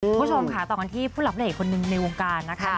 คุณผู้ชมค่ะต่อกันที่ผู้หลักพระเอกคนหนึ่งในวงการนะคะ